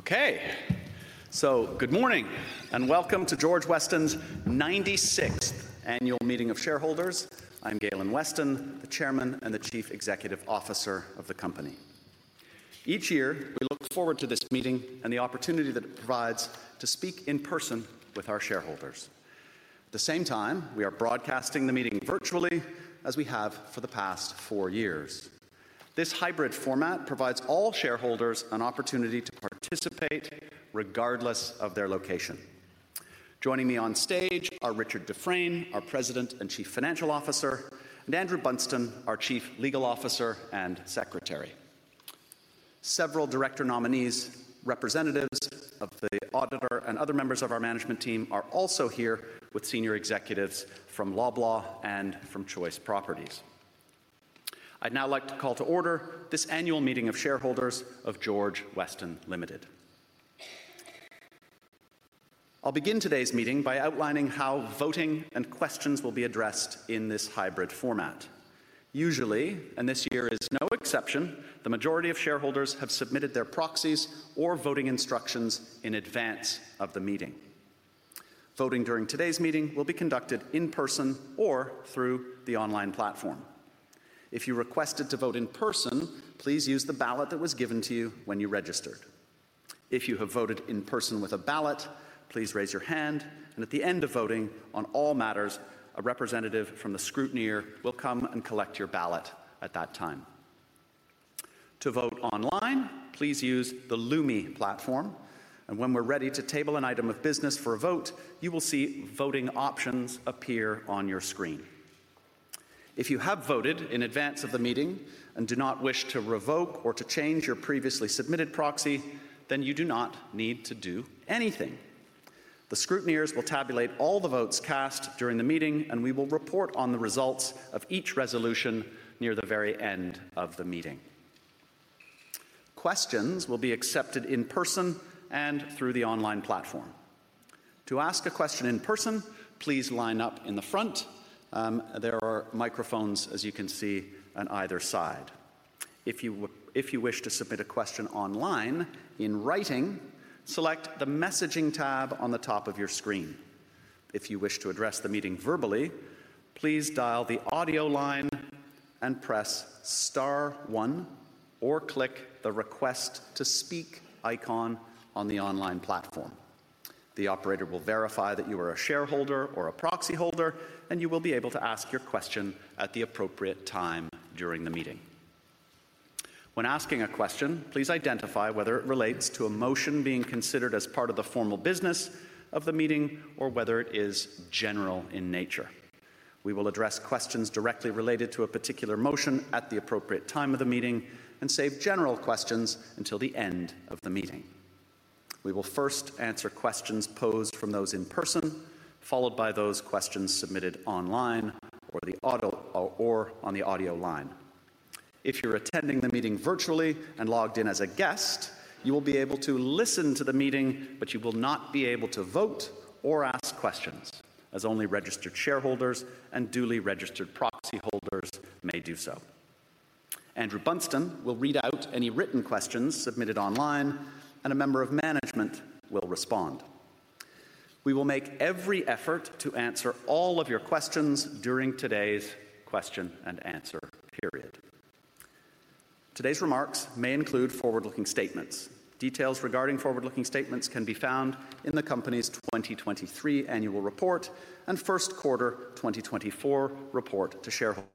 Okay, so good morning and welcome to George Weston's 96th Annual Meeting of Shareholders. I'm Galen Weston, the Chairman and the Chief Executive Officer of the company. Each year we look forward to this meeting and the opportunity that it provides to speak in person with our shareholders. At the same time, we are broadcasting the meeting virtually as we have for the past four years. This hybrid format provides all shareholders an opportunity to participate regardless of their location. Joining me on stage are Richard Dufresne, our President and Chief Financial Officer, and Andrew Burston, our Chief Legal Officer and Secretary. Several Director nominees, representatives of the Auditor, and other members of our management team are also here with senior executives from Loblaw and from Choice Properties. I'd now like to call to order this Annual Meeting of Shareholders of George Weston Limited. I'll begin today's meeting by outlining how voting and questions will be addressed in this hybrid format. Usually, and this year is no exception, the majority of shareholders have submitted their proxies or voting instructions in advance of the meeting. Voting during today's meeting will be conducted in person or through the online platform. If you requested to vote in person, please use the ballot that was given to you when you registered. If you have voted in person with a ballot, please raise your hand, and at the end of voting on all matters, a representative from the scrutineer will come and collect your ballot at that time. To vote online, please use the Lumi Platform, and when we're ready to table an item of business for a vote, you will see voting options appear on your screen. If you have voted in advance of the meeting and do not wish to revoke or to change your previously submitted proxy, then you do not need to do anything. The scrutineers will tabulate all the votes cast during the meeting, and we will report on the results of each resolution near the very end of the meeting. Questions will be accepted in person and through the online platform. To ask a question in person, please line up in the front. There are microphones, as you can see, on either side. If you wish to submit a question online in writing, select the Messaging tab on the top of your screen. If you wish to address the meeting verbally, please dial the audio line and press star one, or click the Request to Speak icon on the online platform. The operator will verify that you are a shareholder or a proxy holder, and you will be able to ask your question at the appropriate time during the meeting. When asking a question, please identify whether it relates to a motion being considered as part of the formal business of the meeting or whether it is general in nature. We will address questions directly related to a particular motion at the appropriate time of the meeting and save general questions until the end of the meeting. We will first answer questions posed from those in person, followed by those questions submitted online or on the audio line. If you're attending the meeting virtually and logged in as a guest, you will be able to listen to the meeting, but you will not be able to vote or ask questions, as only registered shareholders and duly registered proxy holders may do so. Andrew Burston will read out any written questions submitted online, and a member of management will respond. We will make every effort to answer all of your questions during today's question and answer period. Today's remarks may include forward-looking statements. Details regarding forward-looking statements can be found in the company's 2023 Annual Report and First Quarter 2024 Report to Shareholders.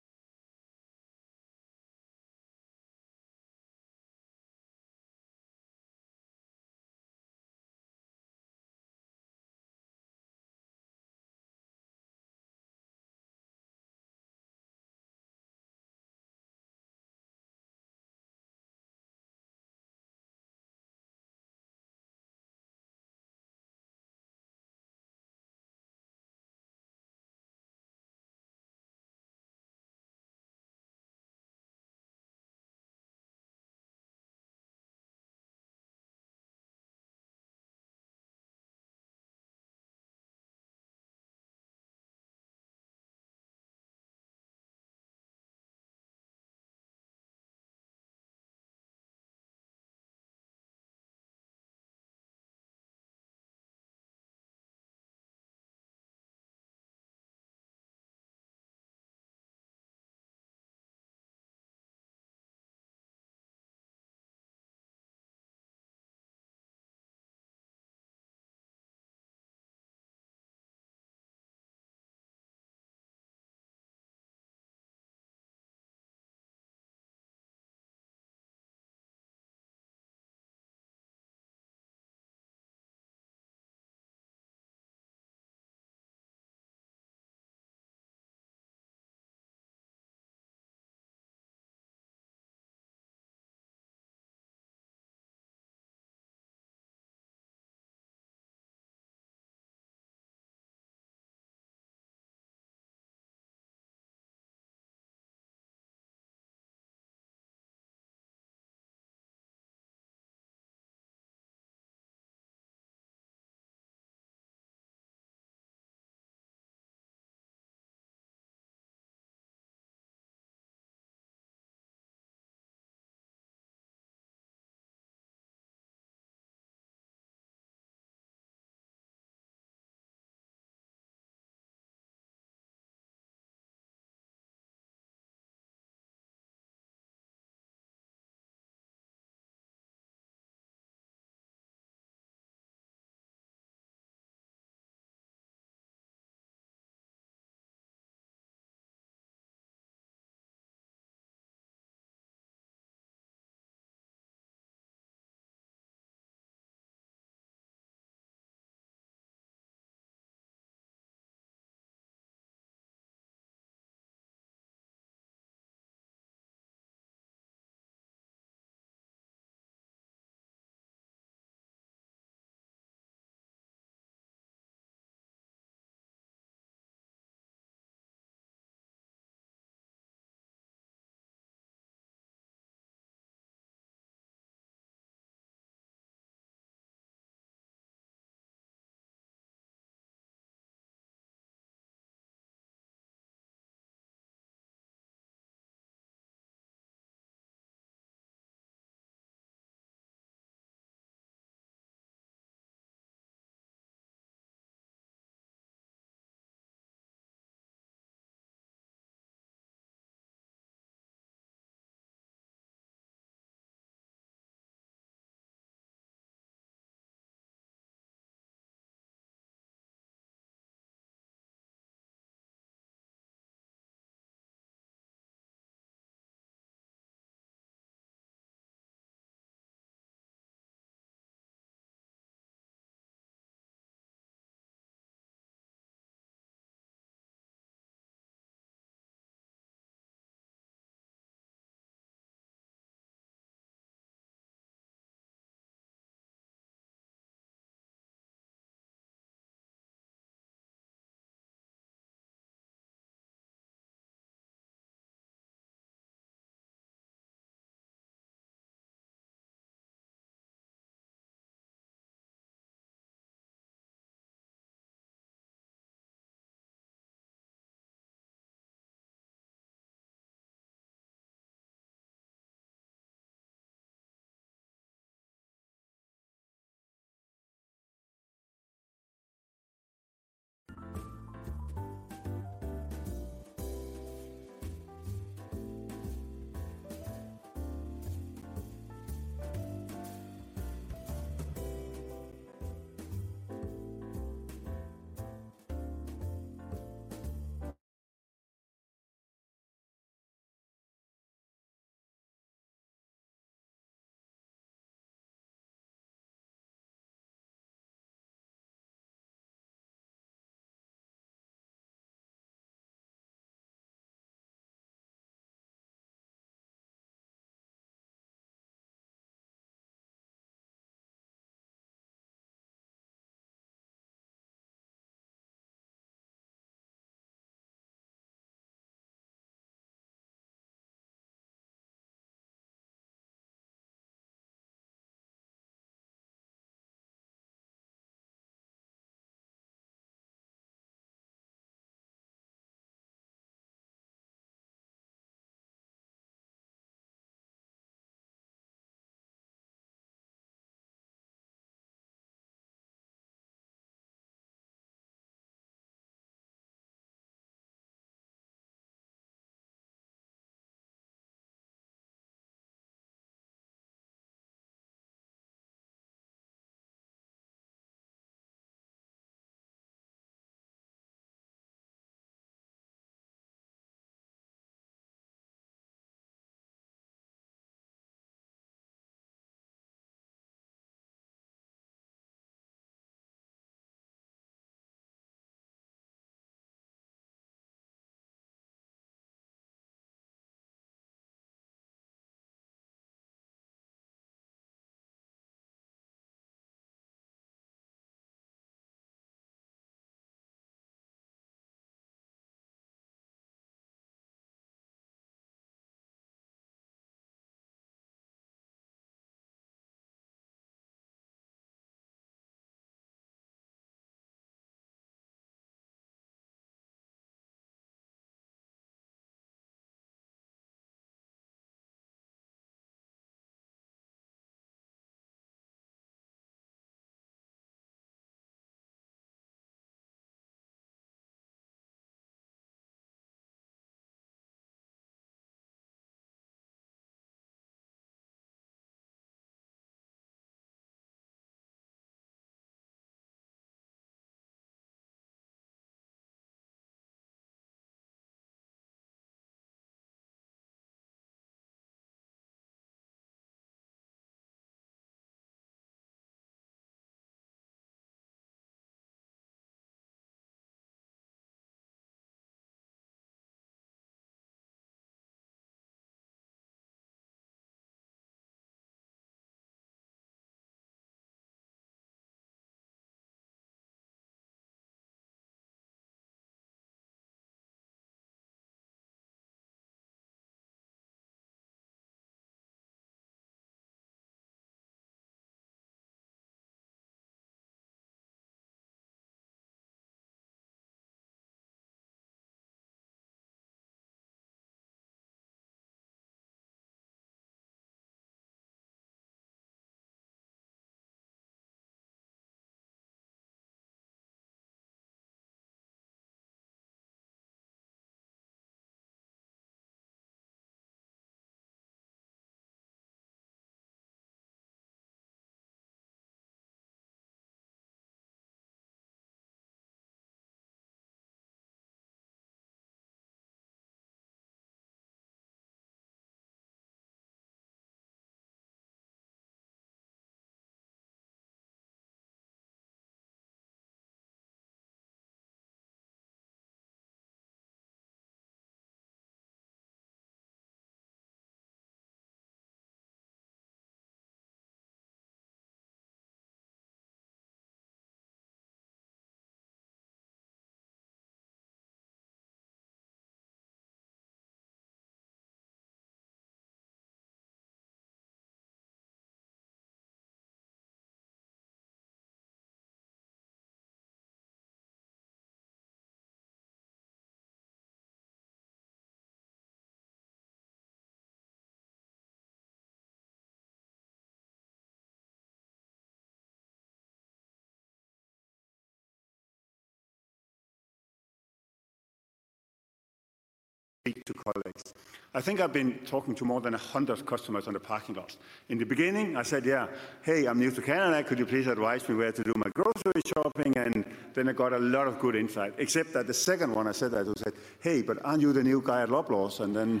Speak to colleagues. I think I've been talking to more than 100 customers on the parking lots. In the beginning, I said, "Yeah, hey, I'm new to Canada. Could you please advise me where to do my grocery shopping?" And then I got a lot of good insight. Except that the second one I said that, who said, "Hey, but aren't you the new guy at Loblaws?" And then,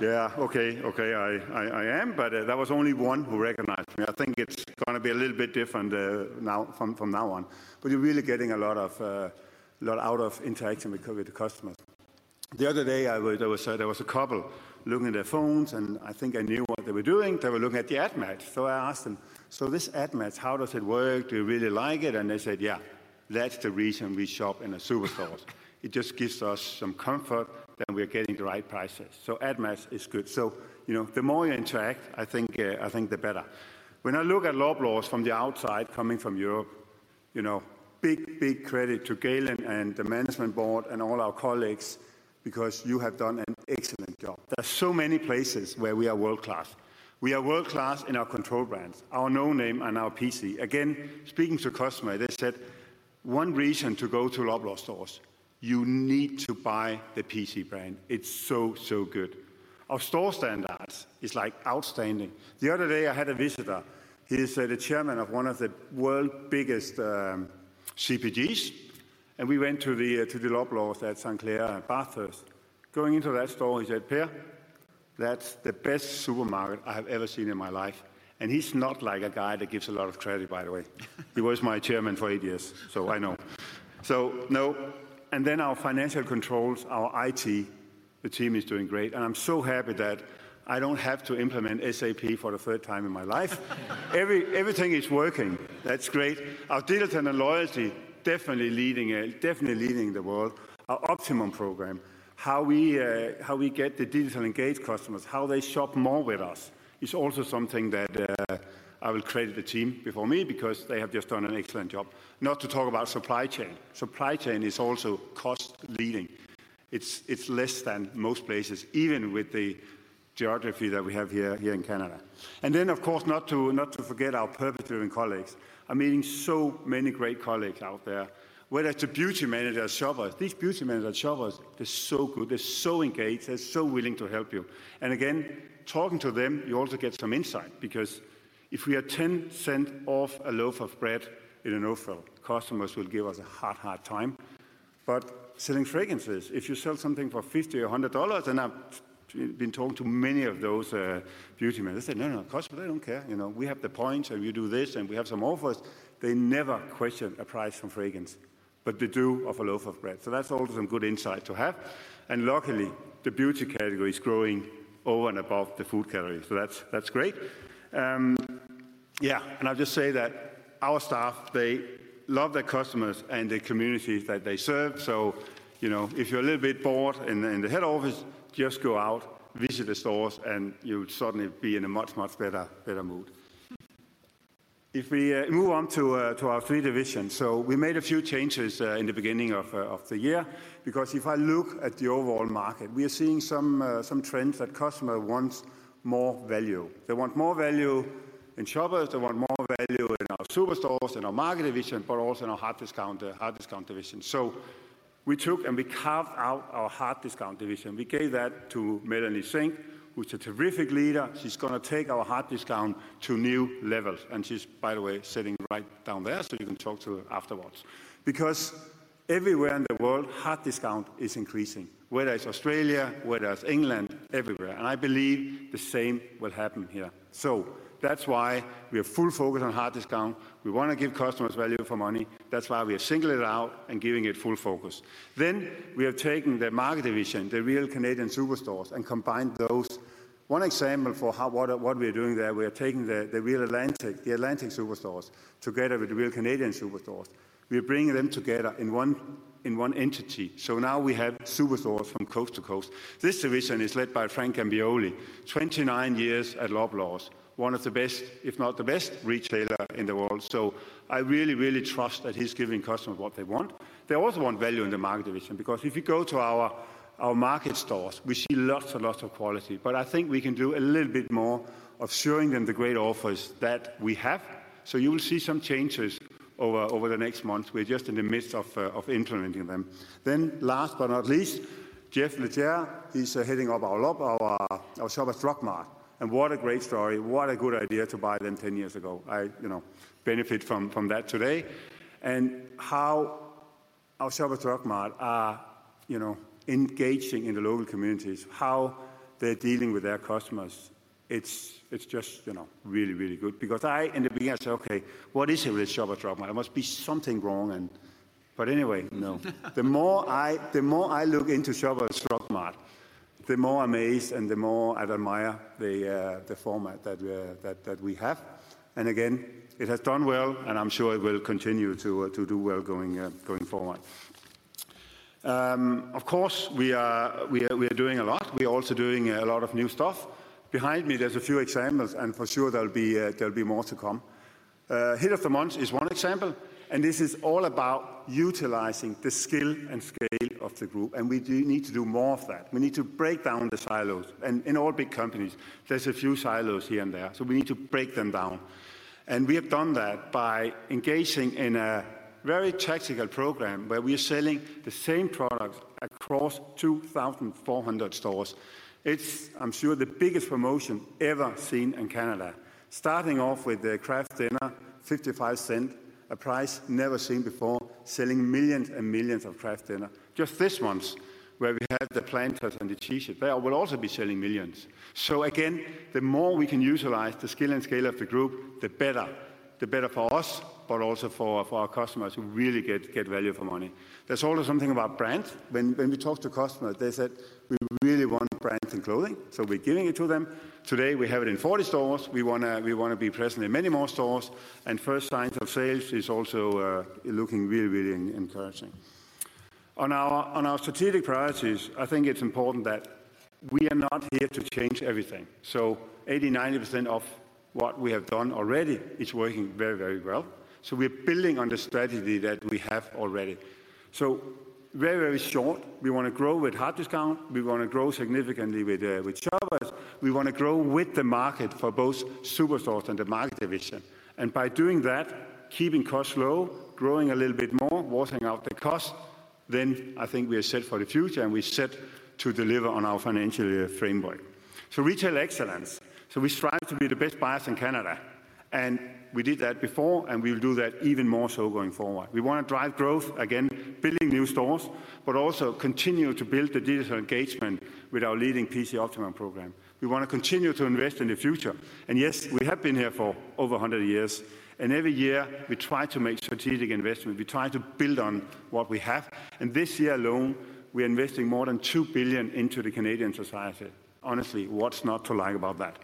"Yeah, okay, okay, I am, but that was only one who recognized me. I think it's going to be a little bit different from now on." But you're really getting a lot out of interacting with the customers. The other day, there was a couple looking at their phones, and I think I knew what they were doing. They were looking at the Ad Match. So I asked them, "So this Ad Match, how does it work? Do you really like it?" And they said, "Yeah, that's the reason we shop in the superstores. It just gives us some comfort that we're getting the right prices." So Ad Match is good. So the more you interact, I think the better. When I look at Loblaws from the outside, coming from Europe, big, big credit to Galen and the management board and all our colleagues because you have done an excellent job. There are so many places where we are world-class. We are world-class in our control brands, our No Name and our PC. Again, speaking to customers, they said, "One reason to go to Loblaws stores: you need to buy the PC brand. It's so, so good." Our store standards are outstanding. The other day, I had a visitor. He's the chairman of one of the world's biggest CPGs, and we went to the Loblaws at St. Clair Avenue and Bathurst Street. Going into that store, he said, "Per, that's the best supermarket I have ever seen in my life." And he's not like a guy that gives a lot of credit, by the way. He was my chairman for eight years, so I know. So no. And then our financial controls, our IT, the team is doing great. And I'm so happy that I don't have to implement SAP for the third time in my life. Everything is working. That's great. Our digital and loyalty, definitely leading the world. Our Optimum program, how we get the digital engaged customers, how they shop more with us, is also something that I will credit the team before me because they have just done an excellent job. Not to talk about supply chain. Supply chain is also cost-leading. It's less than most places, even with the geography that we have here in Canada. And then, of course, not to forget our purpose-driven colleagues. I'm meeting so many great colleagues out there, whether it's the beauty managers, shoppers. These beauty managers, shoppers, they're so good. They're so engaged. They're so willing to help you. Again, talking to them, you also get some insight because if we are 0.10 off a loaf of bread in an offer aisle, customers will give us a hard, hard time. But selling fragrances, if you sell something for 50 or 100 dollars, and I've been talking to many of those beauty men, they say, "No, no, customers, they don't care. We have the points, and we do this, and we have some offers." They never question a price for fragrance, but they do offer a loaf of bread. So that's also some good insight to have. And luckily, the beauty category is growing over and above the food category. So that's great. Yeah. And I'll just say that our staff, they love their customers and the communities that they serve. So if you're a little bit bored in the head office, just go out, visit the stores, and you'll certainly be in a much, much better mood. If we move on to our three divisions. So we made a few changes in the beginning of the year because if I look at the overall market, we are seeing some trends that customers want more value. They want more value in Shoppers. They want more value in our superstores and our market division, but also in our hard discount division. So we took and we carved out our hard discount division. We gave that to Melanie Singh, who's a terrific leader. She's going to take our hard discount to new levels. And she's, by the way, sitting right down there, so you can talk to her afterwards. Because everywhere in the world, hard discount is increasing, whether it's Australia, whether it's England, everywhere. I believe the same will happen here. That's why we have full focus on hard discount. We want to give customers value for money. That's why we are singling it out and giving it full focus. We have taken the market division, the Real Canadian Superstores, and combined those. One example for what we are doing there, we are taking the Atlantic Superstores together with the Real Canadian Superstores. We are bringing them together in one entity. Now we have superstores from coast to coast. This division is led by Frank Gambioli, 29 years at Loblaws, one of the best, if not the best, retailers in the world. I really, really trust that he's giving customers what they want. They also want value in the market division because if you go to our market stores, we see lots and lots of quality. But I think we can do a little bit more of showing them the great offers that we have. So you will see some changes over the next months. We're just in the midst of implementing them. Then last but not least, Jeff Leger, he's heading up our Shoppers Drug Mart. And what a great story. What a good idea to buy them 10 years ago. I benefit from that today. And how our Shoppers Drug Mart are engaging in the local communities, how they're dealing with their customers, it's just really, really good. Because I, in the beginning, I said, "Okay, what is a real Shoppers Drug Mart? There must be something wrong." But anyway, no. The more I look into Shoppers Drug Mart, the more amazed and the more I admire the format that we have. And again, it has done well, and I'm sure it will continue to do well going forward. Of course, we are doing a lot. We are also doing a lot of new stuff. Behind me, there's a few examples, and for sure there'll be more to come. Hit of the Month is one example. And this is all about utilizing the skill and scale of the group. And we need to do more of that. We need to break down the silos. And in all big companies, there's a few silos here and there. So we need to break them down. And we have done that by engaging in a very tactical program where we are selling the same products across 2,400 stores. It's, I'm sure, the biggest promotion ever seen in Canada, starting off with the Kraft Dinner, 0.55, a price never seen before, selling millions and millions of Kraft Dinner. Just this month, where we had the Planters and the T-shirts, they will also be selling millions. So again, the more we can utilize the skill and scale of the group, the better. The better for us, but also for our customers who really get value for money. There's also something about brands. When we talk to customers, they said, "We really want brands in clothing." So we're giving it to them. Today, we have it in 40 stores. We want to be present in many more stores. And first signs of sales are also looking really, really encouraging. On our strategic priorities, I think it's important that we are not here to change everything. 80%-90% of what we have done already is working very, very well. We're building on the strategy that we have already. Very, very short, we want to grow with hard discount. We want to grow significantly with shoppers. We want to grow with the market for both superstores and the market division. And by doing that, keeping costs low, growing a little bit more, washing out the cost, then I think we are set for the future, and we're set to deliver on our financial framework. Retail excellence. We strive to be the best buyers in Canada. And we did that before, and we will do that even more so going forward. We want to drive growth, again, building new stores, but also continue to build the digital engagement with our leading PC Optimum program. We want to continue to invest in the future. Yes, we have been here for over 100 years. Every year, we try to make strategic investments. We try to build on what we have. This year alone, we are investing more than 2 billion into the Canadian society. Honestly, what's not to like about that?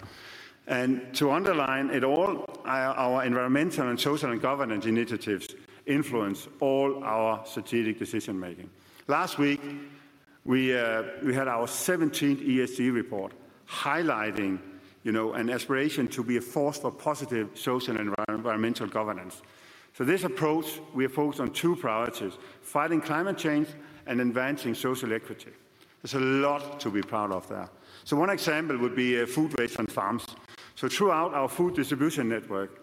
To underline it all, our environmental and social and governance initiatives influence all our strategic decision-making. Last week, we had our 17th ESG report highlighting an aspiration to be a force for positive social and environmental governance. This approach, we are focused on two priorities: fighting climate change and advancing social equity. There's a lot to be proud of there. One example would be food waste on farms. Throughout our food distribution network,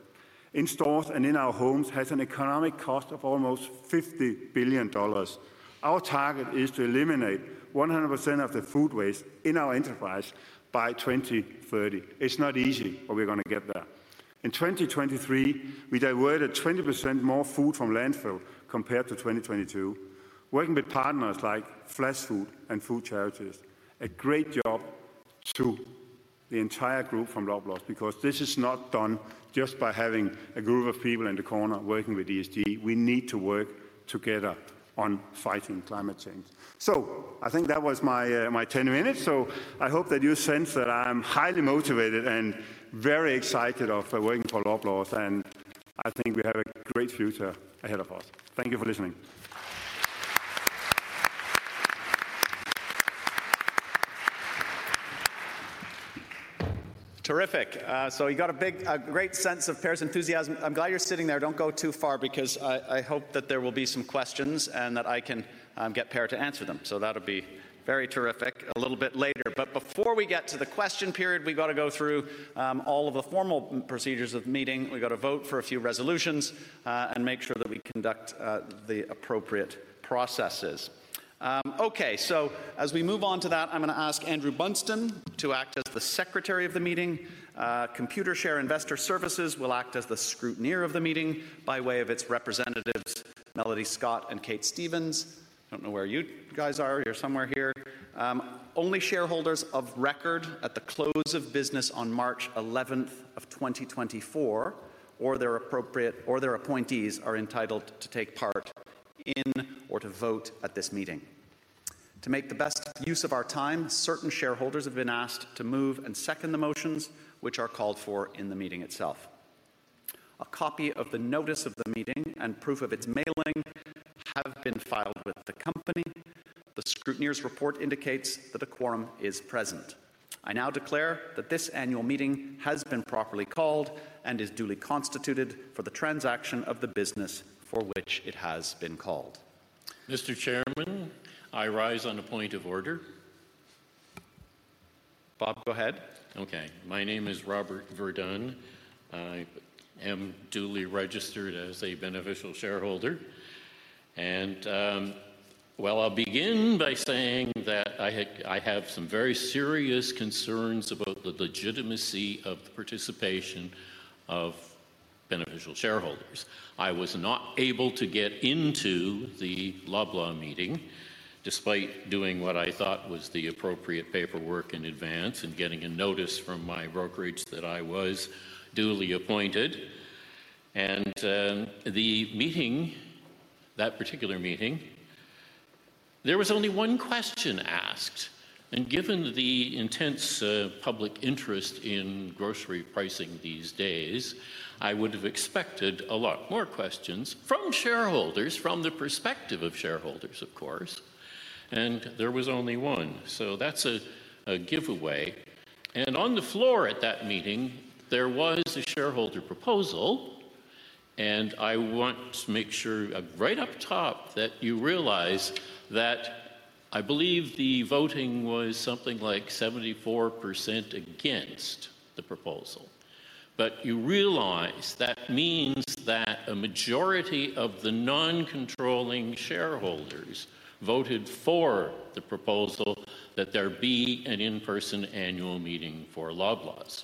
in stores and in our homes, has an economic cost of almost 50 billion dollars. Our target is to eliminate 100% of the food waste in our enterprise by 2030. It's not easy, but we're going to get there. In 2023, we diverted 20% more food from landfill compared to 2022, working with partners like Flashfood and Food Charities. A great job to the entire group from Loblaw because this is not done just by having a group of people in the corner working with ESG. We need to work together on fighting climate change. So I think that was my 10 minutes. So I hope that you sense that I am highly motivated and very excited about working for Loblaw. And I think we have a great future ahead of us. Thank you for listening. Terrific. So you got a great sense of Per's enthusiasm. I'm glad you're sitting there. Don't go too far because I hope that there will be some questions and that I can get Per to answer them. So that'll be very terrific a little bit later. But before we get to the question period, we got to go through all of the formal procedures of the meeting. We got to vote for a few resolutions and make sure that we conduct the appropriate processes. Okay. So as we move on to that, I'm going to ask Andrew Burston to act as the secretary of the meeting. Computershare Investor Services will act as the scrutineer of the meeting by way of its representatives, Melody Scott and Kate Stevens. I don't know where you guys are. You're somewhere here. Only shareholders of record at the close of business on March 11th of 2024 or their appointees are entitled to take part in or to vote at this meeting. To make the best use of our time, certain shareholders have been asked to move and second the motions, which are called for in the meeting itself. A copy of the notice of the meeting and proof of its mailing have been filed with the company. The scrutineer's report indicates that a quorum is present. I now declare that this annual meeting has been properly called and is duly constituted for the transaction of the business for which it has been called. Mr. Chairman, I rise on a point of order. Bob, go ahead. Okay. My name is Robert Verdun. I am duly registered as a beneficial shareholder. Well, I'll begin by saying that I have some very serious concerns about the legitimacy of the participation of beneficial shareholders. I was not able to get into the Loblaw meeting despite doing what I thought was the appropriate paperwork in advance and getting a notice from my brokerage that I was duly appointed. That particular meeting, there was only one question asked. Given the intense public interest in grocery pricing these days, I would have expected a lot more questions from shareholders, from the perspective of shareholders, of course. There was only one. So that's a giveaway. On the floor at that meeting, there was a shareholder proposal. I want to make sure right up top that you realize that I believe the voting was something like 74% against the proposal. You realize that means that a majority of the non-controlling shareholders voted for the proposal that there be an in-person annual meeting for Loblaw.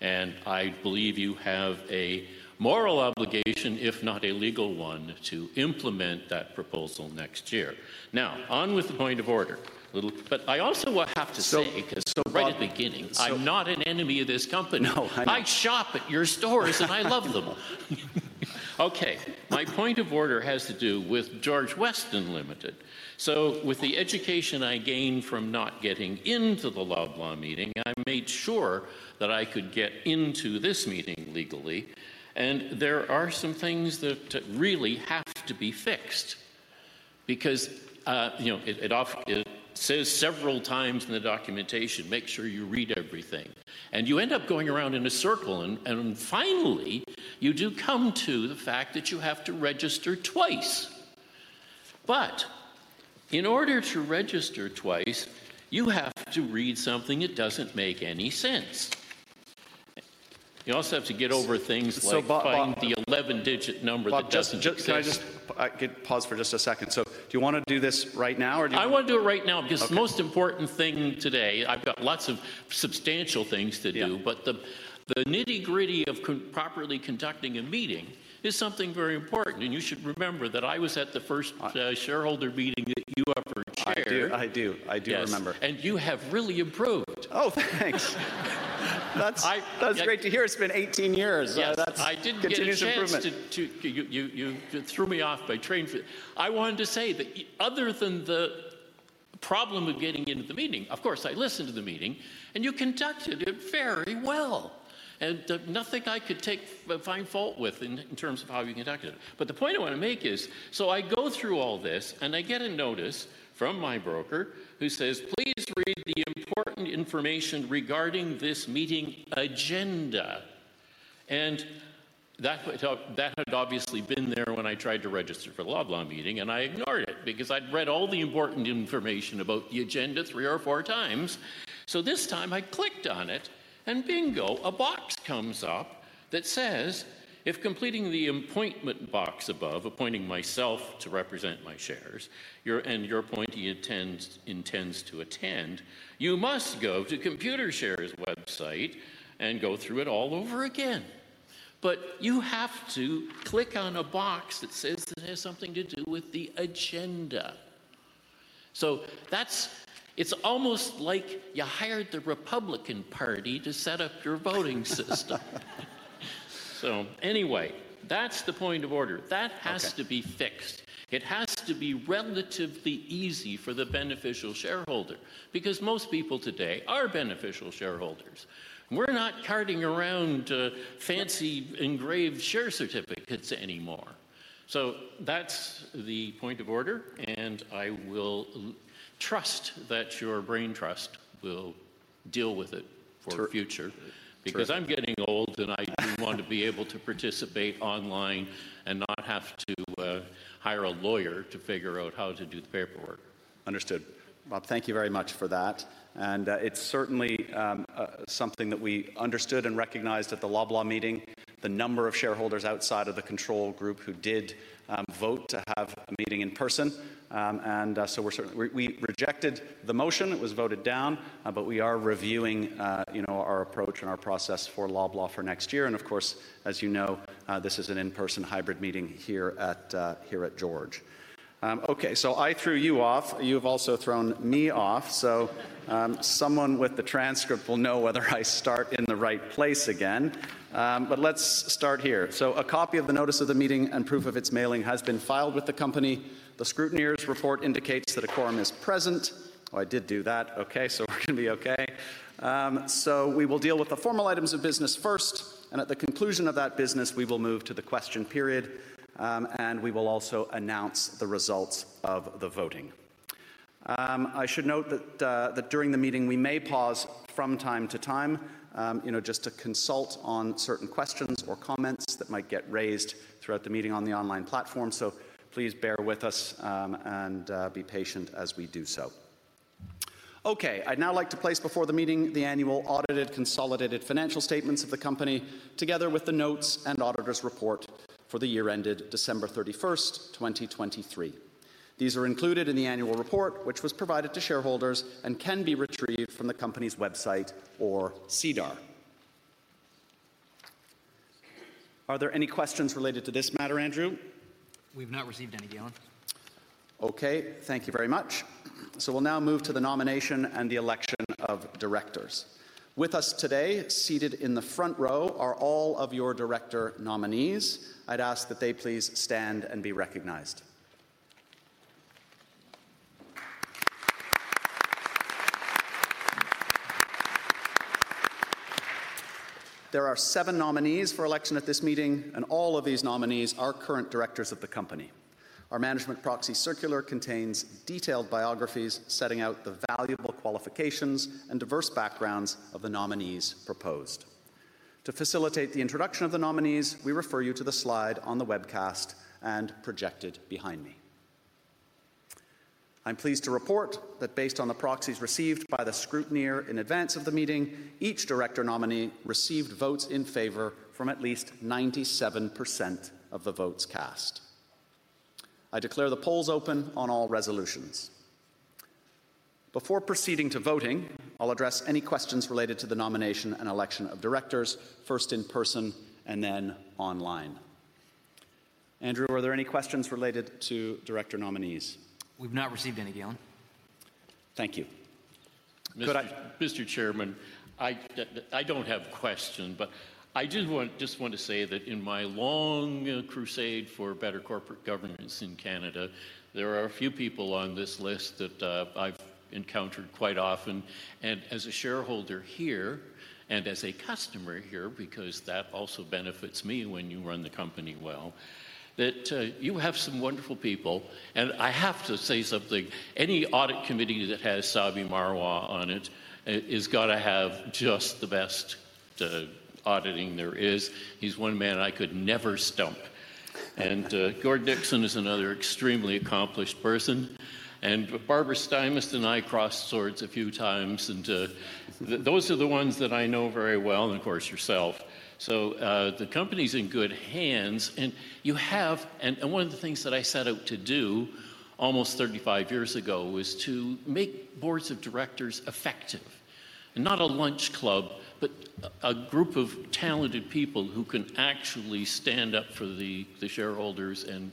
I believe you have a moral obligation, if not a legal one, to implement that proposal next year. Now, on with the point of order. I also have to say because right at the beginning, I'm not an enemy of this company. No. I shop at your stores, and I love them. Okay. My point of order has to do with George Weston Limited. With the education I gained from not getting into the Loblaw meeting, I made sure that I could get into this meeting legally. There are some things that really have to be fixed because it says several times in the documentation, "Make sure you read everything." You end up going around in a circle. Finally, you do come to the fact that you have to register twice. But in order to register twice, you have to read something that doesn't make any sense. You also have to get over things like finding the 11-digit number that doesn't exist. Can I just pause for just a second? So do you want to do this right now, or do you? I want to do it right now because the most important thing today, I've got lots of substantial things to do. But the nitty-gritty of properly conducting a meeting is something very important. And you should remember that I was at the first shareholder meeting that you ever chaired. I do. I do. I do remember. And you have really improved. Oh, thanks. That's great to hear. It's been 18 years. That's continuous improvement. Yes. I did get a chance to. I wanted to say that other than the problem of getting into the meeting, of course, I listened to the meeting. You conducted it very well. Nothing I could find fault with in terms of how you conducted it. But the point I want to make is, so I go through all this, and I get a notice from my broker who says, "Please read the important information regarding this meeting agenda." That had obviously been there when I tried to register for the Loblaw meeting. I ignored it because I'd read all the important information about the agenda three or four times. So this time, I clicked on it. And bingo, a box comes up that says, "If completing the appointment box above, appointing myself to represent my shares and your appointee intends to attend, you must go to Computershare's website and go through it all over again." But you have to click on a box that says that it has something to do with the agenda. So it's almost like you hired the Republican Party to set up your voting system. So anyway, that's the point of order. That has to be fixed. It has to be relatively easy for the beneficial shareholder because most people today are beneficial shareholders. We're not carting around fancy engraved share certificates anymore. So that's the point of order. I will trust that your brain trust will deal with it for the future because I'm getting old, and I do want to be able to participate online and not have to hire a lawyer to figure out how to do the paperwork. Understood. Bob, thank you very much for that. It's certainly something that we understood and recognized at the Loblaw meeting, the number of shareholders outside of the control group who did vote to have a meeting in person. So we rejected the motion. It was voted down. We are reviewing our approach and our process for Loblaw for next year. Of course, as you know, this is an in-person hybrid meeting here at George. Okay. I threw you off. You have also thrown me off. Someone with the transcript will know whether I start in the right place again. But let's start here. So a copy of the notice of the meeting and proof of its mailing has been filed with the company. The scrutineer's report indicates that a quorum is present. Oh, I did do that. Okay. So we're going to be okay. So we will deal with the formal items of business first. And at the conclusion of that business, we will move to the question period. And we will also announce the results of the voting. I should note that during the meeting, we may pause from time to time just to consult on certain questions or comments that might get raised throughout the meeting on the online platform. So please bear with us and be patient as we do so. Okay. I'd now like to place before the meeting the annual audited consolidated financial statements of the company together with the notes and auditor's report for the year ended December 31st, 2023. These are included in the annual report, which was provided to shareholders and can be retrieved from the company's website or SEDAR+. Are there any questions related to this matter, Andrew? We've not received any, Galen. Okay. Thank you very much. So we'll now move to the nomination and the election of directors. With us today, seated in the front row, are all of your director nominees. I'd ask that they please stand and be recognized. There are seven nominees for election at this meeting. All of these nominees are current directors of the company. Our management proxy circular contains detailed biographies setting out the valuable qualifications and diverse backgrounds of the nominees proposed. To facilitate the introduction of the nominees, we refer you to the slide on the webcast and projected behind me. I'm pleased to report that based on the proxies received by the scrutineer in advance of the meeting, each director nominee received votes in favor from at least 97% of the votes cast. I declare the polls open on all resolutions. Before proceeding to voting, I'll address any questions related to the nomination and election of directors, first in person and then online. Andrew, are there any questions related to director nominees? We've not received any, Galen. Thank you. Mr. Chairman, I don't have questions. I just want to say that in my long crusade for better corporate governance in Canada, there are a few people on this list that I've encountered quite often. And as a shareholder here and as a customer here because that also benefits me when you run the company well, that you have some wonderful people. And I have to say something. Any audit committee that has Sarabjit S. Marwah on it has got to have just the best auditing there is. He's one man I could never stump. And Gordon M. Nixon is another extremely accomplished person. And Barbara Stymiest and I crossed swords a few times. And those are the ones that I know very well and, of course, yourself. So the company's in good hands. And one of the things that I set out to do almost 35 years ago was to make boards of directors effective, not a lunch club, but a group of talented people who can actually stand up for the shareholders and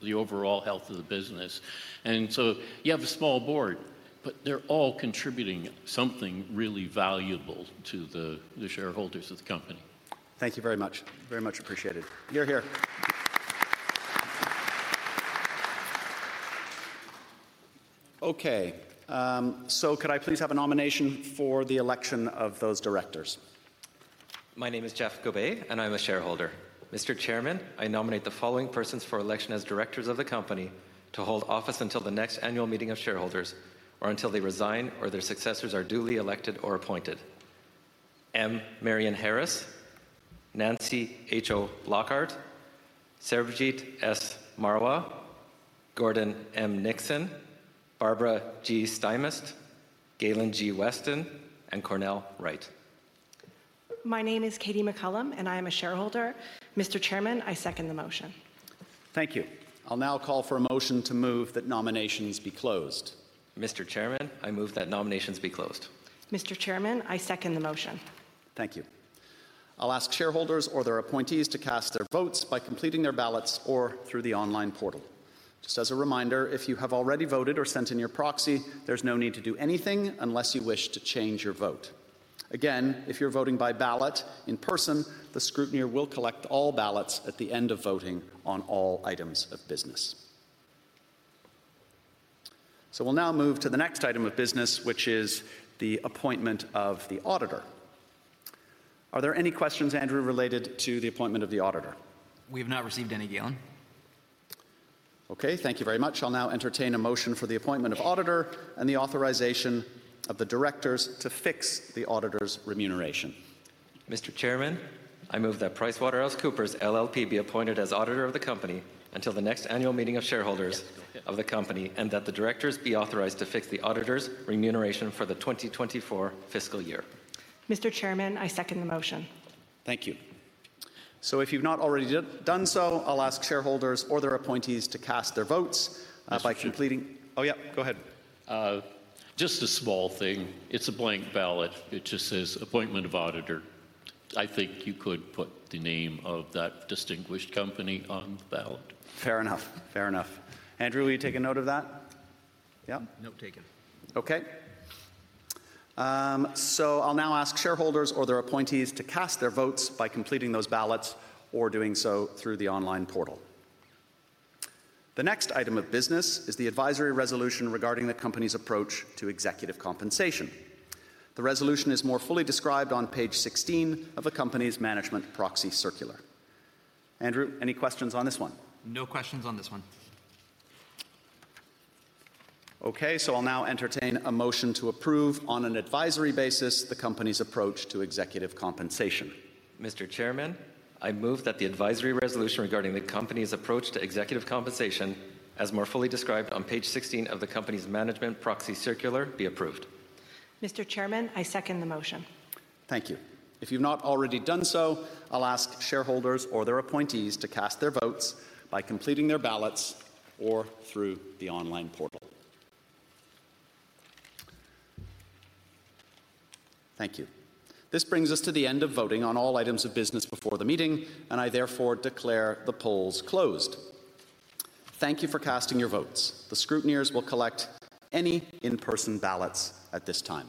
the overall health of the business. And so you have a small board, but they're all contributing something really valuable to the shareholders of the company. Thank you very much. Very much appreciated. You're here. Okay. So could I please have a nomination for the election of those directors? My name is Jeff Gobet, and I'm a shareholder. Mr. Chairman, I nominate the following persons for election as directors of the company to hold office until the next annual meeting of shareholders or until they resign or their successors are duly elected or appointed: M. Marianne Harris, Nancy H.O. Lockhart, Sarabjit S. Marwah, Gordon M. Nixon, Barbara Stymiest, Galen G. Weston, and Cornell Wright. My name is Katie McCullum, and I am a shareholder. Mr. Chairman, I second the motion. Thank you. I'll now call for a motion to move that nominations be closed. Mr. Chairman, I move that nominations be closed. Mr. Chairman, I second the motion. Thank you. I'll ask shareholders or their appointees to cast their votes by completing their ballots or through the online portal. Just as a reminder, if you have already voted or sent in your proxy, there's no need to do anything unless you wish to change your vote. Again, if you're voting by ballot in person, the scrutineer will collect all ballots at the end of voting on all items of business. We'll now move to the next item of business, which is the appointment of the auditor. Are there any questions, Andrew, related to the appointment of the auditor? We have not received any, Galen. Okay. Thank you very much. I'll now entertain a motion for the appointment of auditor and the authorization of the directors to fix the auditor's remuneration. Mr. Chairman, I move that PricewaterhouseCoopers LLP be appointed as auditor of the company until the next annual meeting of shareholders of the company and that the directors be authorized to fix the auditor's remuneration for the 2024 fiscal year. Mr. Chairman, I second the motion. Thank you. So if you've not already done so, I'll ask shareholders or their appointees to cast their votes by completing oh, yeah. Go ahead. Just a small thing. It's a blank ballot. It just says appointment of auditor. I think you could put the name of that distinguished company on the ballot. Fair enough. Fair enough. Andrew, will you take a note of that? Yeah? Note taken. Okay. So I'll now ask shareholders or their appointees to cast their votes by completing those ballots or doing so through the online portal. The next item of business is the advisory resolution regarding the company's approach to executive compensation. The resolution is more fully described on page 16 of the company's Management Proxy Circular. Andrew, any questions on this one? No questions on this one. Okay. So I'll now entertain a motion to approve on an advisory basis the company's approach to executive compensation. Mr. Chairman, I move that the advisory resolution regarding the company's approach to executive compensation, as more fully described on page 16 of the company's Management Proxy Circular, be approved. Mr. Chairman, I second the motion. Thank you. If you've not already done so, I'll ask shareholders or their appointees to cast their votes by completing their ballots or through the online portal. Thank you. This brings us to the end of voting on all items of business before the meeting. I therefore declare the polls closed. Thank you for casting your votes. The scrutineers will collect any in-person ballots at this time.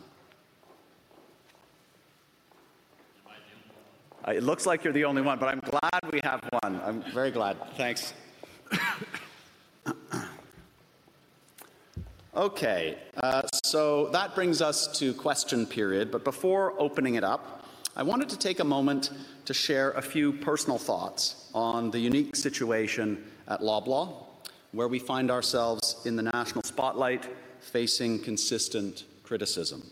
It looks like you're the only one. But I'm glad we have one. I'm very glad. Thanks. Okay. So that brings us to question period. But before opening it up, I wanted to take a moment to share a few personal thoughts on the unique situation at Loblaw where we find ourselves in the national spotlight facing consistent criticism.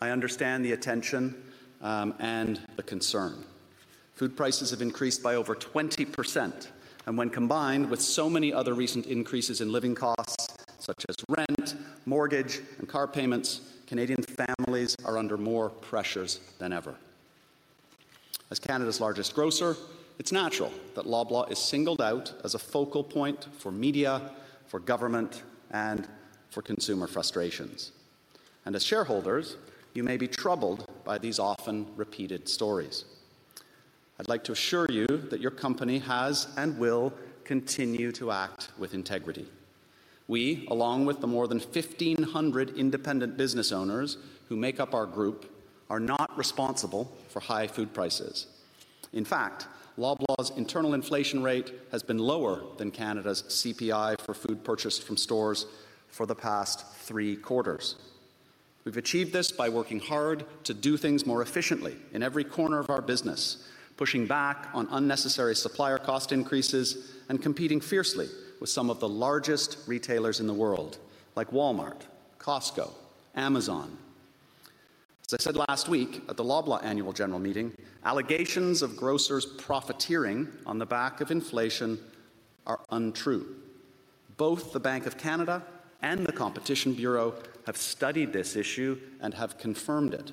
I understand the attention and the concern. Food prices have increased by over 20%. And when combined with so many other recent increases in living costs such as rent, mortgage, and car payments, Canadian families are under more pressures than ever. As Canada's largest grocer, it's natural that Loblaw is singled out as a focal point for media, for government, and for consumer frustrations. As shareholders, you may be troubled by these often repeated stories. I'd like to assure you that your company has and will continue to act with integrity. We, along with the more than 1,500 independent business owners who make up our group, are not responsible for high food prices. In fact, Loblaw's internal inflation rate has been lower than Canada's CPI for food purchased from stores for the past three quarters. We've achieved this by working hard to do things more efficiently in every corner of our business, pushing back on unnecessary supplier cost increases, and competing fiercely with some of the largest retailers in the world like Walmart, Costco, Amazon. As I said last week at the Loblaw annual general meeting, allegations of grocers profiteering on the back of inflation are untrue. Both the Bank of Canada and the Competition Bureau have studied this issue and have confirmed it.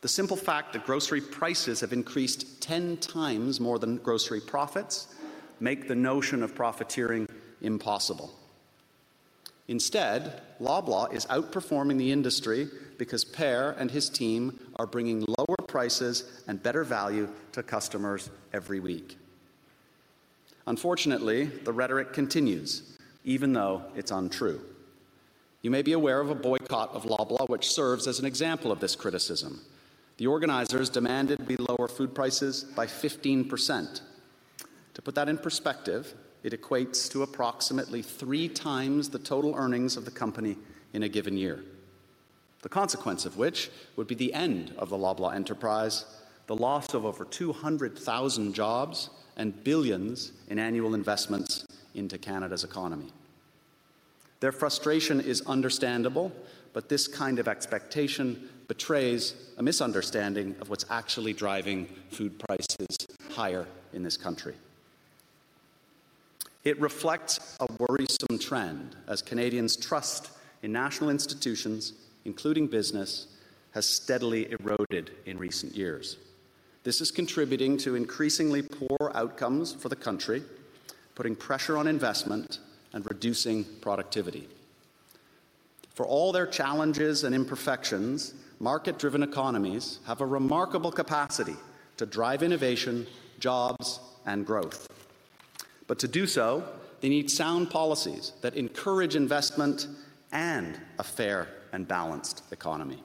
The simple fact that grocery prices have increased 10 times more than grocery profits makes the notion of profiteering impossible. Instead, Loblaw is outperforming the industry because Per and his team are bringing lower prices and better value to customers every week. Unfortunately, the rhetoric continues even though it's untrue. You may be aware of a boycott of Loblaw, which serves as an example of this criticism. The organizers demanded we lower food prices by 15%. To put that in perspective, it equates to approximately three times the total earnings of the company in a given year, the consequence of which would be the end of the Loblaw enterprise, the loss of over 200,000 jobs, and billions in annual investments into Canada's economy. Their frustration is understandable. But this kind of expectation betrays a misunderstanding of what's actually driving food prices higher in this country. It reflects a worrisome trend as Canadians' trust in national institutions, including business, has steadily eroded in recent years. This is contributing to increasingly poor outcomes for the country, putting pressure on investment, and reducing productivity. For all their challenges and imperfections, market-driven economies have a remarkable capacity to drive innovation, jobs, and growth. But to do so, they need sound policies that encourage investment and a fair and balanced economy.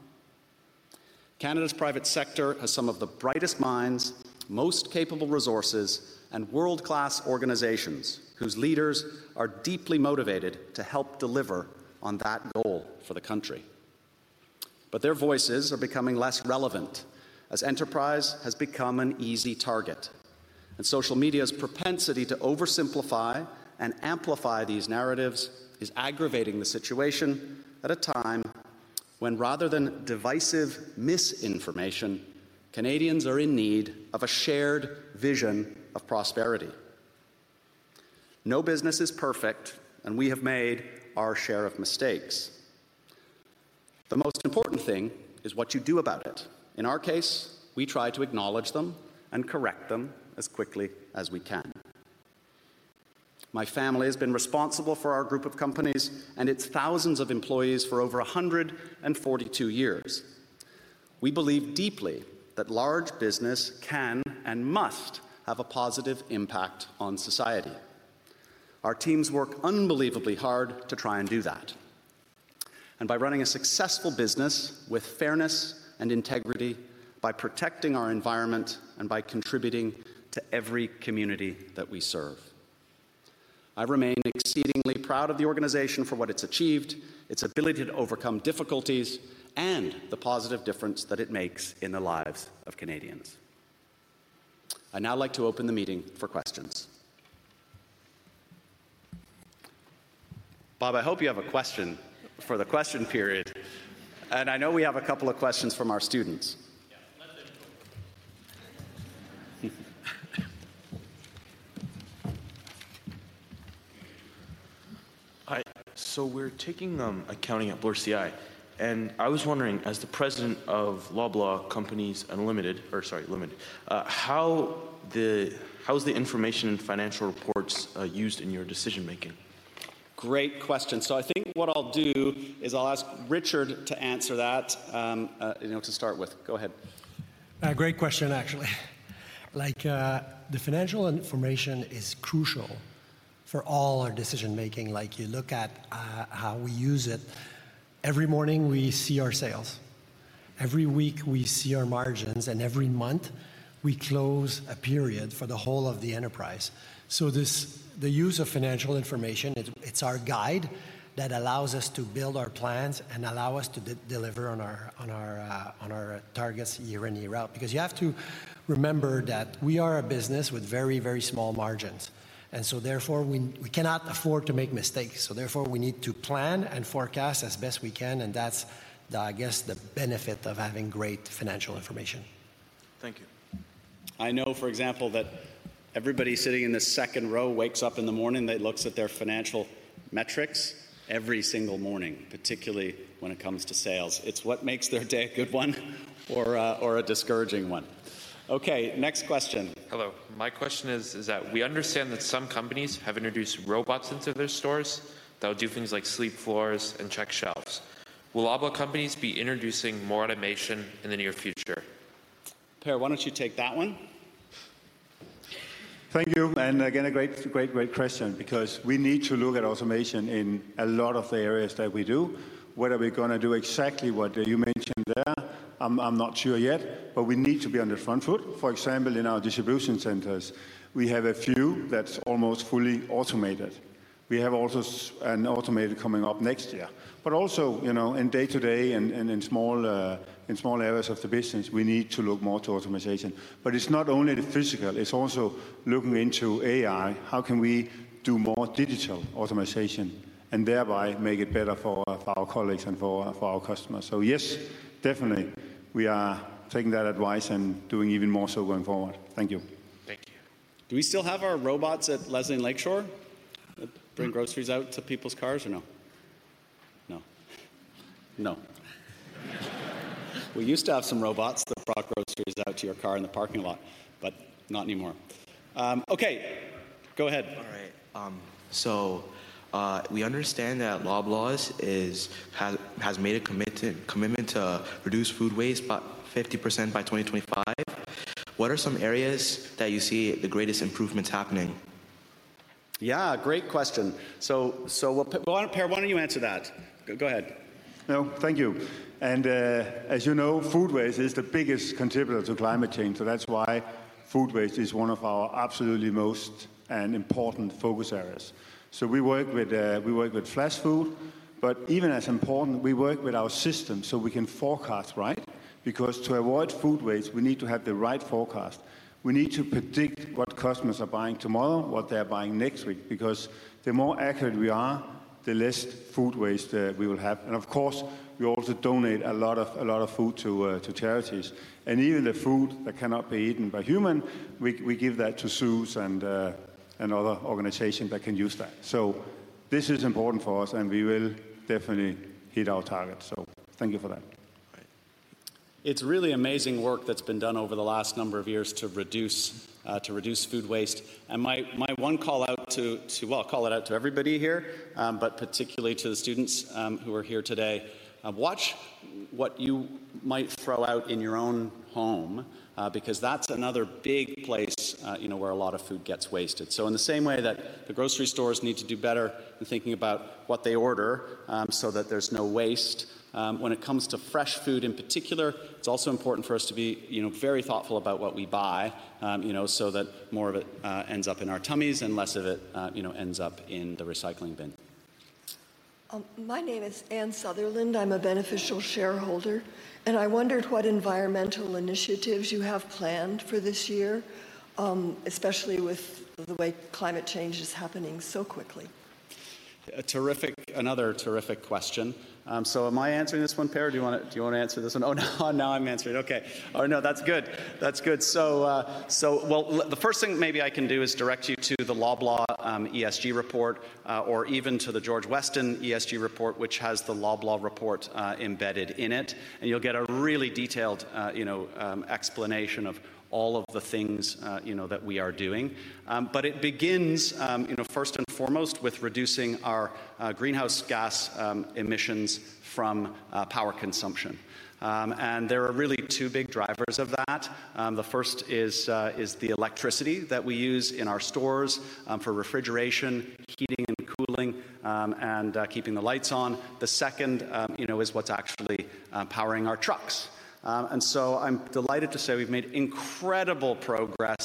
Canada's private sector has some of the brightest minds, most capable resources, and world-class organizations whose leaders are deeply motivated to help deliver on that goal for the country. But their voices are becoming less relevant as enterprise has become an easy target. Social media's propensity to oversimplify and amplify these narratives is aggravating the situation at a time when, rather than divisive misinformation, Canadians are in need of a shared vision of prosperity. No business is perfect. We have made our share of mistakes. The most important thing is what you do about it. In our case, we try to acknowledge them and correct them as quickly as we can. My family has been responsible for our group of companies and its thousands of employees for over 142 years. We believe deeply that large business can and must have a positive impact on society. Our teams work unbelievably hard to try and do that and by running a successful business with fairness and integrity, by protecting our environment, and by contributing to every community that we serve. I remain exceedingly proud of the organization for what it's achieved, its ability to overcome difficulties, and the positive difference that it makes in the lives of Canadians. I now like to open the meeting for questions. Bob, I hope you have a question for the question period. And I know we have a couple of questions from our students. Yeah. Let them go first. All right. So we're taking accounting at Bloor CI. And I was wondering, as the president of Loblaw Companies Unlimited or sorry, Limited, how is the information and financial reports used in your decision-making? Great question. So I think what I'll do is I'll ask Richard to answer that to start with. Go ahead. Great question, actually. The financial information is crucial for all our decision-making. You look at how we use it. Every morning, we see our sales. Every week, we see our margins. Every month, we close a period for the whole of the enterprise. The use of financial information, it's our guide that allows us to build our plans and allow us to deliver on our targets year-on-year out. Because you have to remember that we are a business with very, very small margins. So, therefore, we cannot afford to make mistakes. Therefore, we need to plan and forecast as best we can. That's, I guess, the benefit of having great financial information. Thank you. I know, for example, that everybody sitting in the second row wakes up in the morning. They look at their financial metrics every single morning, particularly when it comes to sales. It's what makes their day a good one or a discouraging one. Okay. Next question. Hello. My question is that we understand that some companies have introduced robots into their stores that'll do things like sweep floors and check shelves. Will Loblaw Companies be introducing more automation in the near future? Per, why don't you take that one? Thank you. And again, a great, great, great question. Because we need to look at automation in a lot of the areas that we do. Whether we're going to do exactly what you mentioned there, I'm not sure yet. But we need to be on the front foot. For example, in our distribution centers, we have a few that's almost fully automated. We have also an automated coming up next year. But also, in day-to-day and in small areas of the business, we need to look more to automation. But it's not only the physical. It's also looking into AI. How can we do more digital automation and thereby make it better for our colleagues and for our customers? So yes, definitely, we are taking that advice and doing even more so going forward. Thank you. Thank you. Do we still have our robots at Leslie Street and Lake Shore Boulevard that bring groceries out to people's cars or no? No. No. We used to have some robots that brought groceries out to your car in the parking lot, but not anymore. Okay. Go ahead. All right. So we understand that Loblaw has made a commitment to reduce food waste by 50% by 2025. What are some areas that you see the greatest improvements happening? Yeah. Great question. So Per, why don't you answer that? Go ahead. No. Thank you. And as you know, food waste is the biggest contributor to climate change. So that's why food waste is one of our absolutely most important focus areas. So we work with Flashfood. But even as important, we work with our system so we can forecast, right? Because to avoid food waste, we need to have the right forecast. We need to predict what customers are buying tomorrow, what they're buying next week. Because the more accurate we are, the less food waste we will have. And of course, we also donate a lot of food to charities. And even the food that cannot be eaten by human, we give that to ZooShare and other organizations that can use that. So this is important for us. And we will definitely hit our target. So thank you for that. It's really amazing work that's been done over the last number of years to reduce food waste. My one call-out to well, I'll call it out to everybody here, but particularly to the students who are here today. Watch what you might throw out in your own home. Because that's another big place where a lot of food gets wasted. So in the same way that the grocery stores need to do better in thinking about what they order so that there's no waste, when it comes to fresh food in particular, it's also important for us to be very thoughtful about what we buy so that more of it ends up in our tummies and less of it ends up in the recycling bin. My name is Anne Sutherland. I'm a beneficial shareholder. And I wondered what environmental initiatives you have planned for this year, especially with the way climate change is happening so quickly. Another terrific question. So am I answering this one, Per? Do you want to answer this one? Oh, no. Now I'm answering. Okay. Oh, no. That's good. That's good. So, well, the first thing maybe I can do is direct you to the Loblaw ESG report or even to the George Weston ESG report, which has the Loblaw report embedded in it. And you'll get a really detailed explanation of all of the things that we are doing. But it begins, first and foremost, with reducing our greenhouse gas emissions from power consumption. And there are really two big drivers of that. The first is the electricity that we use in our stores for refrigeration, heating, and cooling, and keeping the lights on. The second is what's actually powering our trucks. And so I'm delighted to say we've made incredible progress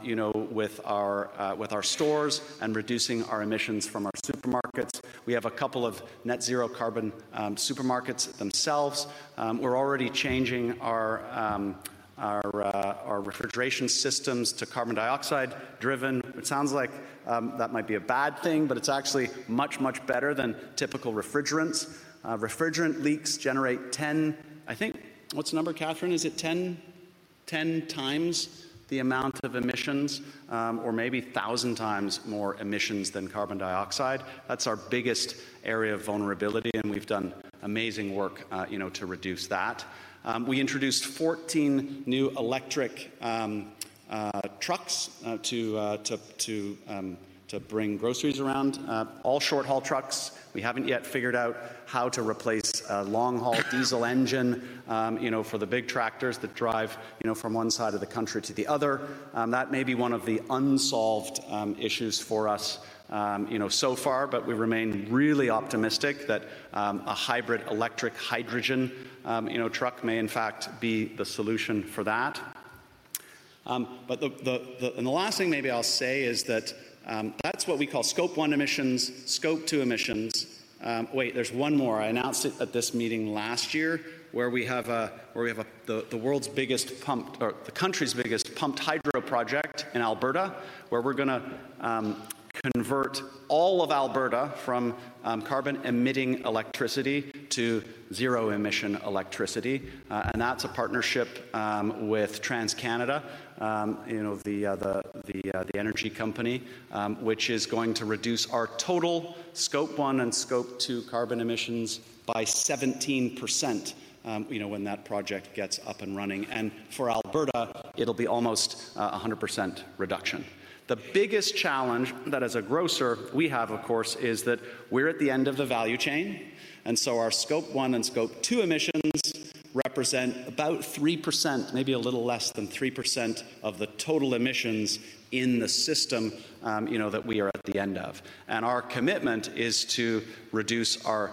with our stores and reducing our emissions from our supermarkets. We have a couple of net-zero carbon supermarkets themselves. We're already changing our refrigeration systems to carbon dioxide-driven. It sounds like that might be a bad thing. But it's actually much, much better than typical refrigerants. Refrigerant leaks generate 10, I think what's the number, Catherine? Is it 10x the amount of emissions or maybe 1,000 times more emissions than carbon dioxide? That's our biggest area of vulnerability. And we've done amazing work to reduce that. We introduced 14 new electric trucks to bring groceries around, all short-haul trucks. We haven't yet figured out how to replace a long-haul diesel engine for the big tractors that drive from one side of the country to the other. That may be one of the unsolved issues for us so far. But we remain really optimistic that a hybrid electric hydrogen truck may, in fact, be the solution for that. The last thing maybe I'll say is that that's what we call Scope 1 emissions, Scope 2 emissions. Wait. There's one more. I announced it at this meeting last year where we have the world's biggest pumped or the country's biggest pumped hydro project in Alberta, where we're going to convert all of Alberta from carbon-emitting electricity to zero-emission electricity. And that's a partnership with TC Energy, the energy company, which is going to reduce our total Scope 1 and Scope 2 carbon emissions by 17% when that project gets up and running. And for Alberta, it'll be almost 100% reduction. The biggest challenge that, as a grocer, we have, of course, is that we're at the end of the value chain. So our Scope 1 and Scope 2 emissions represent about 3%, maybe a little less than 3%, of the total emissions in the system that we are at the end of. Our commitment is to reduce our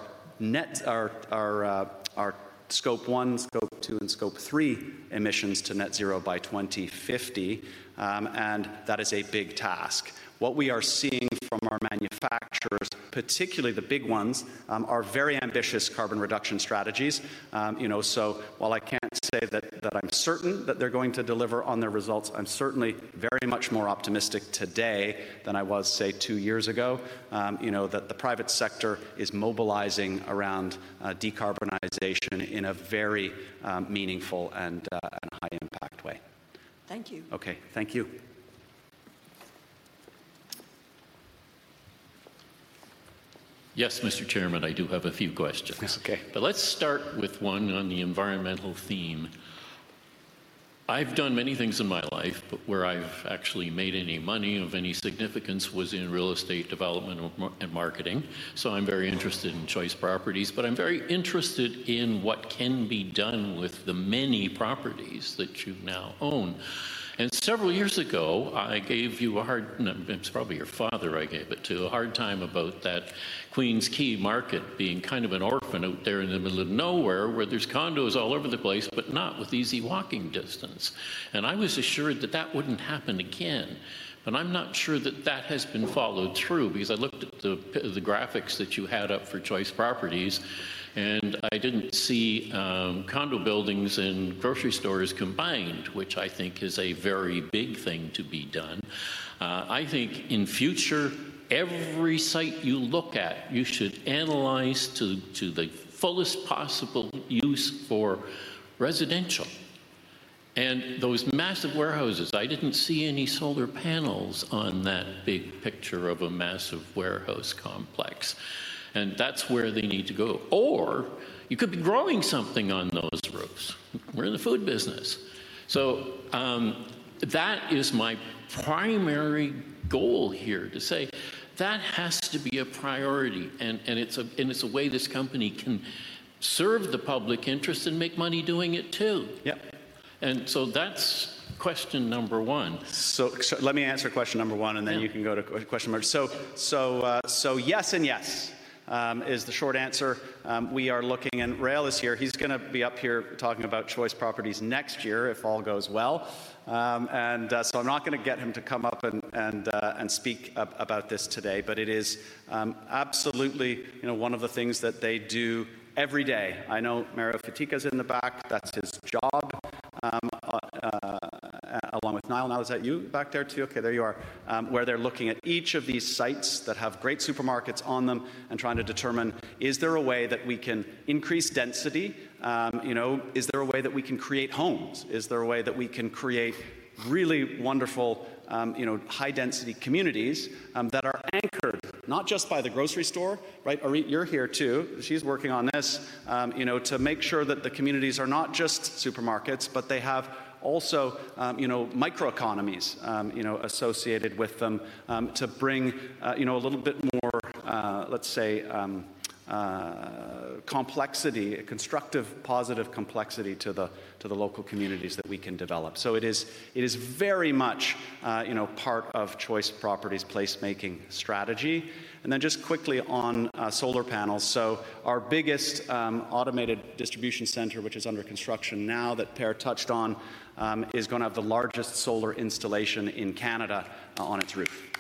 Scope 1, Scope 2, and Scope 3 emissions to net-zero by 2050. That is a big task. What we are seeing from our manufacturers, particularly the big ones, are very ambitious carbon reduction strategies. While I can't say that I'm certain that they're going to deliver on their results, I'm certainly very much more optimistic today than I was, say, two years ago that the private sector is mobilizing around decarbonization in a very meaningful and high-impact way. Thank you. Okay. Thank you. Yes, Mr. Chairman. I do have a few questions. Let's start with one on the environmental theme. I've done many things in my life. But where I've actually made any money of any significance was in real estate development and marketing. So I'm very interested in Choice Properties. But I'm very interested in what can be done with the many properties that you now own. And several years ago, I gave you a hard—it's probably your father I gave it to—a hard time about that Queens Quay Market being kind of an orphan out there in the middle of nowhere where there's condos all over the place but not with easy walking distance. And I was assured that that wouldn't happen again. But I'm not sure that that has been followed through. Because I looked at the graphics that you had up for Choice Properties. I didn't see condo buildings and grocery stores combined, which I think is a very big thing to be done. I think, in future, every site you look at, you should analyze to the fullest possible use for residential and those massive warehouses. I didn't see any solar panels on that big picture of a massive warehouse complex. That's where they need to go. Or you could be growing something on those roofs. We're in the food business. That is my primary goal here, to say that has to be a priority. It's a way this company can serve the public interest and make money doing it too. That's question number one. Let me answer question number one. Then you can go to question number two. Yes and yes is the short answer. We are looking. Rael is here. He's going to be up here talking about Choice Properties next year if all goes well. And so I'm not going to get him to come up and speak about this today. But it is absolutely one of the things that they do every day. I know Mario Fatica's in the back. That's his job along with Niall. Now, is that you back there too? Okay. There you are, where they're looking at each of these sites that have great supermarkets on them and trying to determine, is there a way that we can increase density? Is there a way that we can create homes? Is there a way that we can create really wonderful high-density communities that are anchored not just by the grocery store, right? Rael, you're here too. She's working on this to make sure that the communities are not just supermarkets, but they have also microeconomies associated with them to bring a little bit more, let's say, complexity, constructive, positive complexity to the local communities that we can develop. So it is very much part of Choice Properties' placemaking strategy. And then just quickly on solar panels. So our biggest automated distribution center, which is under construction now that Per touched on, is going to have the largest solar installation in Canada on its roof.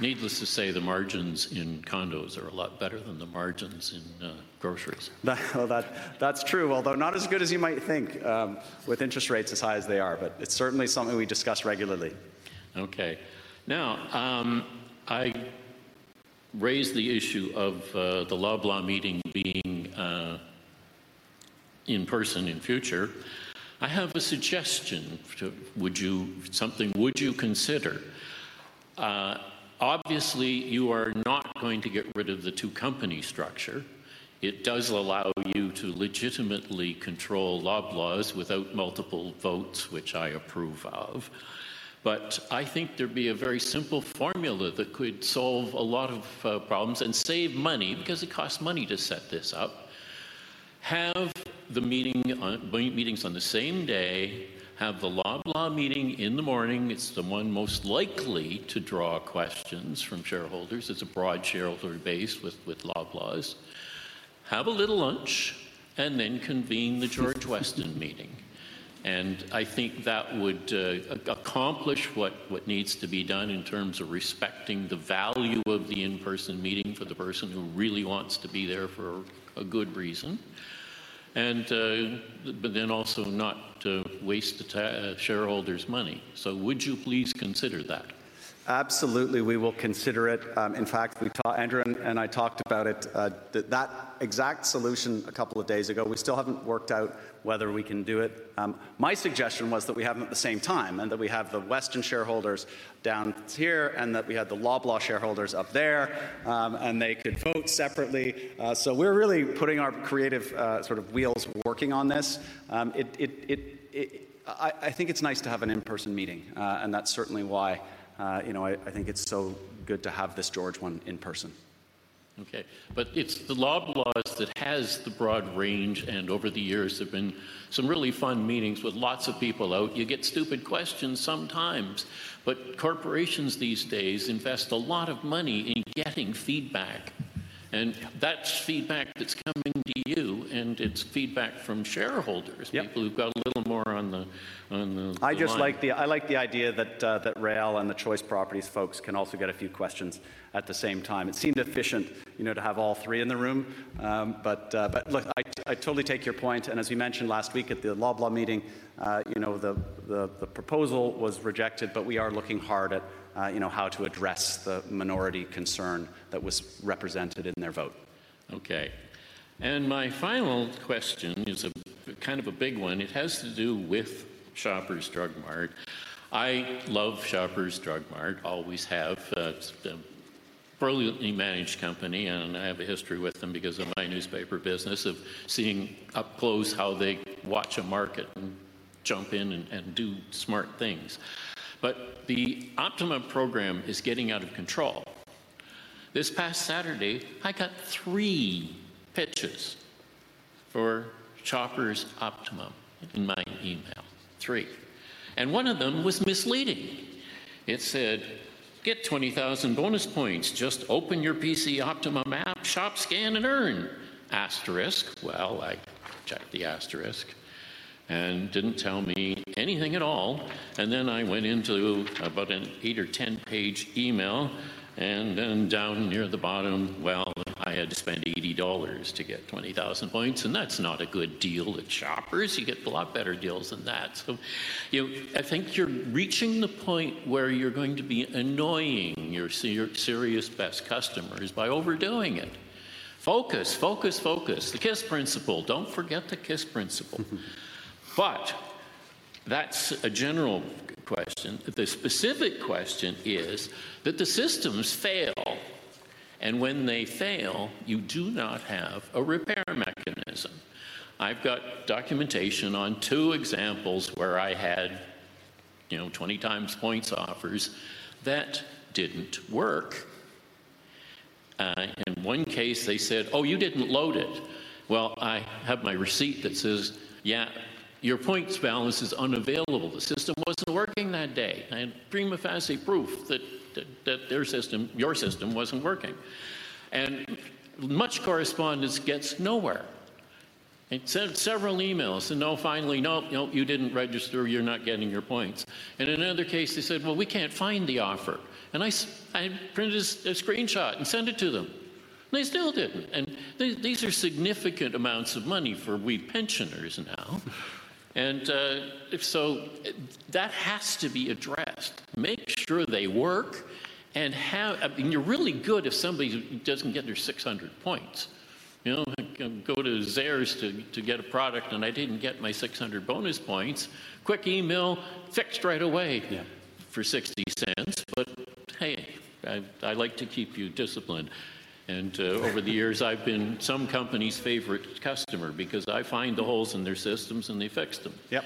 Needless to say, the margins in condos are a lot better than the margins in groceries. Well, that's true, although not as good as you might think with interest rates as high as they are. But it's certainly something we discuss regularly. Okay. Now, I raised the issue of the Loblaw meeting being in person in future. I have a suggestion. Would you consider? Obviously, you are not going to get rid of the two-company structure. It does allow you to legitimately control Loblaw without multiple votes, which I approve of. But I think there'd be a very simple formula that could solve a lot of problems and save money because it costs money to set this up. Have the meetings on the same day. Have the Loblaw meeting in the morning. It's the one most likely to draw questions from shareholders. It's a broad shareholder base with Loblaw. Have a little lunch. And then convene the George Weston meeting. And I think that would accomplish what needs to be done in terms of respecting the value of the in-person meeting for the person who really wants to be there for a good reason but then also not waste shareholders' money. So would you please consider that? Absolutely. We will consider it. In fact, Andrew and I talked about it, that exact solution, a couple of days ago. We still haven't worked out whether we can do it. My suggestion was that we have them at the same time and that we have the Weston shareholders down here and that we had the Loblaw shareholders up there. They could vote separately. So we're really putting our creative sort of wheels working on this. I think it's nice to have an in-person meeting. That's certainly why I think it's so good to have this George one in person. Okay. But it's the Loblaw that has the broad range. Over the years, there have been some really fun meetings with lots of people out. You get stupid questions sometimes. But corporations these days invest a lot of money in getting feedback. That's feedback that's coming to you. It's feedback from shareholders, people who've got a little more on the. I just like the idea that Real and the Choice Properties folks can also get a few questions at the same time. It seemed efficient to have all three in the room. But look, I totally take your point. As we mentioned last week at the Loblaw meeting, the proposal was rejected. But we are looking hard at how to address the minority concern that was represented in their vote. Okay. My final question is kind of a big one. It has to do with Shoppers Drug Mart. I love Shoppers Drug Mart, always have. It's a brilliantly managed company. And I have a history with them because of my newspaper business of seeing up close how they watch a market and jump in and do smart things. But the Optimum program is getting out of control. This past Saturday, I got three pitches for Shoppers Optimum in my email, three. And one of them was misleading. It said, "Get 20,000 bonus points. Just open your PC Optimum app. Shop, scan, and earn." Well, I checked the asterisk and didn't tell me anything at all. And then I went into about an eight or 10-page email. And then down near the bottom, well, I had to spend 80 dollars to get 20,000 points. And that's not a good deal at Shoppers. You get a lot better deals than that. So I think you're reaching the point where you're going to be annoying your serious best customers by overdoing it. Focus, focus, focus, the KISS principle. Don't forget the KISS principle. But that's a general question. The specific question is that the systems fail. And when they fail, you do not have a repair mechanism. I've got documentation on two examples where I had 20x points offers that didn't work. In one case, they said, "Oh, you didn't load it." Well, I have my receipt that says, "Yeah. Your points balance is unavailable. The system wasn't working that day. I had prima facie proof that your system wasn't working." And much correspondence gets nowhere. It sent several emails. And finally, nope, you didn't register. You're not getting your points. And in another case, they said, "Well, we can't find the offer." And I printed a screenshot and sent it to them. And they still didn't. And these are significant amounts of money for we pensioners now. And so that has to be addressed. Make sure they work. And you're really good if somebody doesn't get their 600 points. Go to Zehrs to get a product. And I didn't get my 600 bonus points. Quick email, fixed right away for 0.60. But hey, I like to keep you disciplined. And over the years, I've been some companies' favorite customer because I find the holes in their systems. And they fix them. Yep.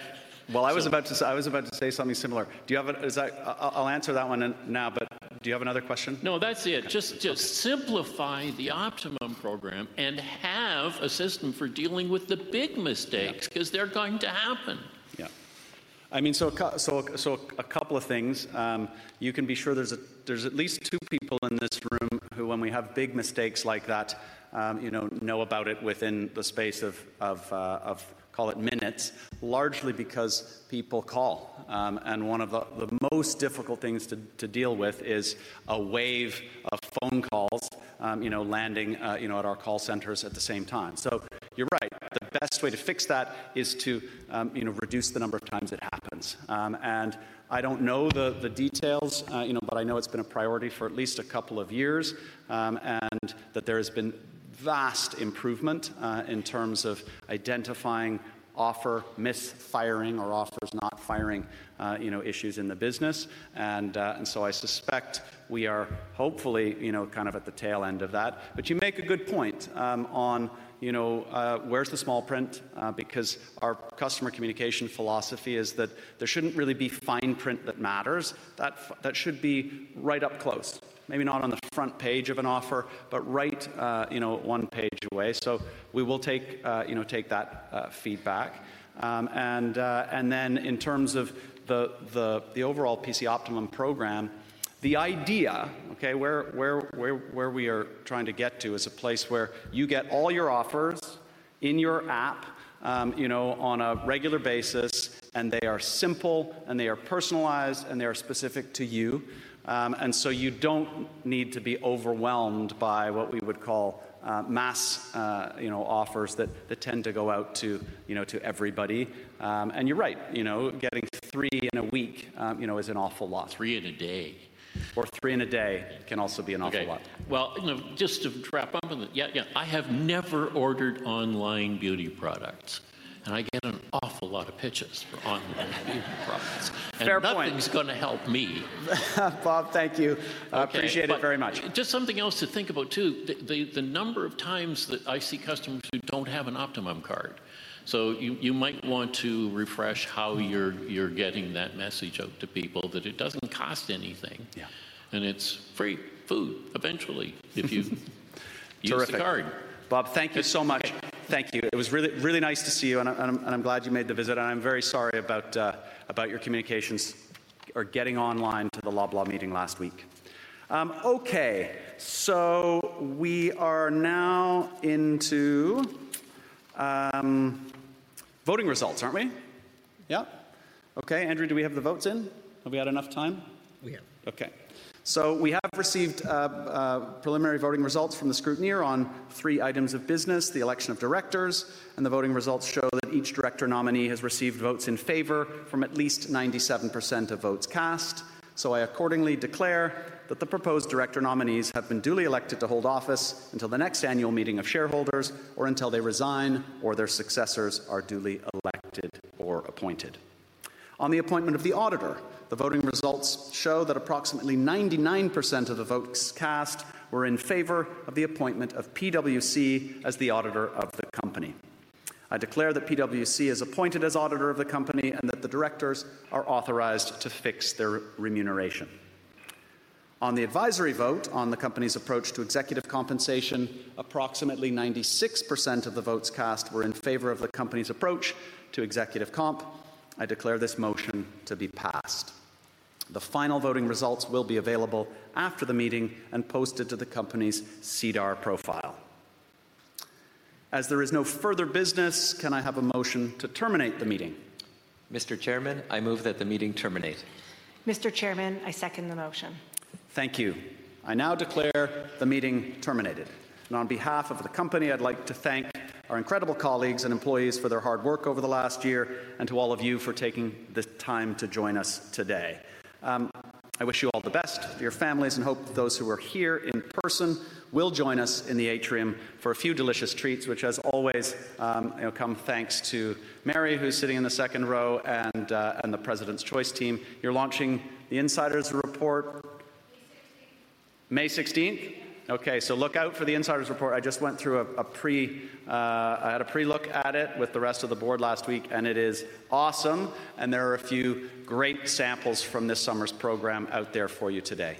Well, I was about to say something similar. I'll answer that one now. But do you have another question? No. That's it. Just simplify the Optimum program and have a system for dealing with the big mistakes because they're going to happen. Yeah. I mean, so a couple of things. You can be sure there's at least two people in this room who, when we have big mistakes like that, know about it within the space of, call it, minutes, largely because people call. One of the most difficult things to deal with is a wave of phone calls landing at our call centers at the same time. So you're right. The best way to fix that is to reduce the number of times it happens. And I don't know the details. But I know it's been a priority for at least a couple of years and that there has been vast improvement in terms of identifying offer misfiring or offers not firing issues in the business. And so I suspect we are hopefully kind of at the tail end of that. But you make a good point on where's the small print? Because our customer communication philosophy is that there shouldn't really be fine print that matters. That should be right up close, maybe not on the front page of an offer but right one page away. So we will take that feedback. And then in terms of the overall PC Optimum program, the idea, okay, where we are trying to get to is a place where you get all your offers in your app on a regular basis. And they are simple. And they are personalized. And they are specific to you. And so you don't need to be overwhelmed by what we would call mass offers that tend to go out to everybody. And you're right. Getting three in a week is an awful lot. Three in a day. Or three in a day can also be an awful lot. Well, just to wrap up, yeah, yeah, I have never ordered online beauty products. And I get an awful lot of pitches for online beauty products. And nothing's going to help me. Fair point. Bob, thank you. Appreciate it very much. Just something else to think about too. The number of times that I see customers who don't have an Optimum card. So you might want to refresh how you're getting that message out to people, that it doesn't cost anything. And it's free food eventually if you use the card. Terrific. Bob, thank you so much. Thank you. It was really nice to see you. And I'm glad you made the visit. And I'm very sorry about your communications or getting online to the Loblaw meeting last week. Okay. So we are now into voting results, aren't we? Yep. Okay. Andrew, do we have the votes in? Have we had enough time? We have. Okay. So we have received preliminary voting results from the scrutineer on three items of business, the election of directors. The voting results show that each director nominee has received votes in favor from at least 97% of votes cast. I accordingly declare that the proposed director nominees have been duly elected to hold office until the next annual meeting of shareholders or until they resign or their successors are duly elected or appointed. On the appointment of the auditor, the voting results show that approximately 99% of the votes cast were in favor of the appointment of PwC as the auditor of the company. I declare that PwC is appointed as auditor of the company. And that the directors are authorized to fix their remuneration. On the advisory vote on the company's approach to executive compensation, approximately 96% of the votes cast were in favor of the company's approach to executive comp. I declare this motion to be passed. The final voting results will be available after the meeting and posted to the company's SEDAR+ profile. As there is no further business, can I have a motion to terminate the meeting? Mr. Chairman, I move that the meeting terminate. Mr. Chairman, I second the motion. Thank you. I now declare the meeting terminated. On behalf of the company, I'd like to thank our incredible colleagues and employees for their hard work over the last year and to all of you for taking the time to join us today. I wish you all the best, your families, and hope those who are here in person will join us in the atrium for a few delicious treats, which has always come thanks to Mary, who's sitting in the second row, and the President's Choice Team. You're launching the Insider's Report. May 16th. May 16th? Yep. Okay. So look out for the Insider's Report. I just went through. I had a pre-look at it with the rest of the board last week. It is awesome. There are a few great samples from this summer's program out there for you today.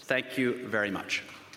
Thank you very much.